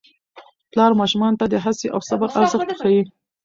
پلار ماشومانو ته د هڅې او صبر ارزښت ښيي